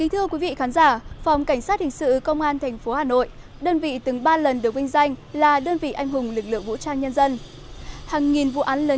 hãy đăng ký kênh để ủng hộ kênh của chúng mình nhé